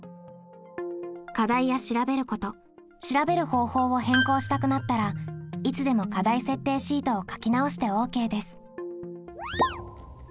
課題や調べること調べる方法を変更したくなったらいつでも課題設定シートを書き直してＯＫです。